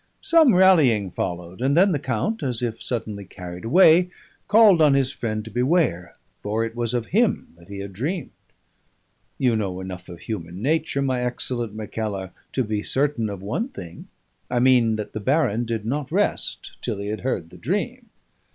Some rallying followed, and then the count, as if suddenly carried away, called on his friend to beware, for it was of him that he had dreamed. You know enough of human nature, my excellent Mackellar, to be certain of one thing: I mean that the baron did not rest till he had heard the dream.